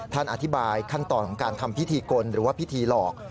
ท่านอธิบายขั้นตอนของการทำพิธีกลหรือว่าพิธีหลอก